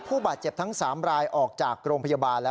ผู้บาดเจ็บทั้ง๓รายออกจากโรงพยาบาลแล้ว